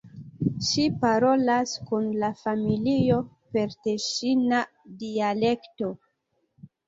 Ŝi parolas kun la familio per teŝina dialekto.